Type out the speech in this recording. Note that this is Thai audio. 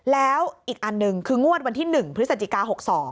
แล้วอีกอันหนึ่งคืองวดวันที่๑พฤศจิกา๖๒